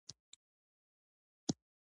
زه د یوټیوب له لارې فلمونه ګورم.